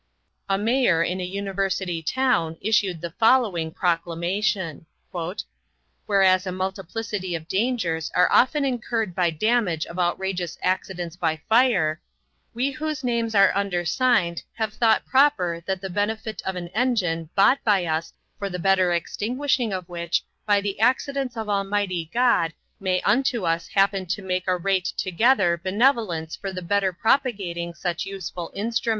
A mayor in a university town issued the following proclamation: "Whereas a Multiplicity of Dangers are often incurred by Damage of outrageous Accidents by Fire, we whose names are undesigned have thought proper that the Benefit of an Engine bought by us for the better extinguishing of which by the Accidents of Almighty God may unto us happen to make a Rate togather Benevolence for the better propagating such useful Instruments."